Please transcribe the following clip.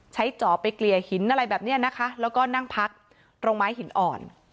จอบไปเกลี่ยหินอะไรแบบนี้นะคะแล้วก็นั่งพักตรงไม้หินอ่อน